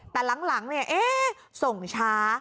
แต่หลังเนี่ยส่งช้า